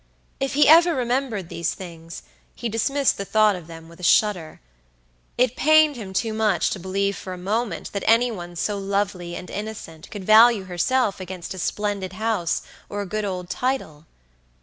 If he ever remembered these things, he dismissed the thought of them with a shudder. It pained him too much to believe for a moment that any one so lovely and innocent could value herself against a splendid house or a good old title.